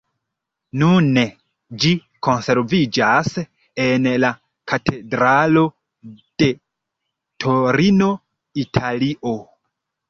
Nune ĝi konserviĝas en la katedralo de Torino, Italio.